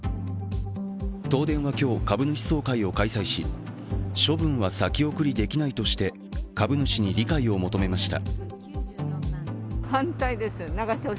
東電は今日、株主総会を開催し処分は先送りできないとして株主に理解を求めました。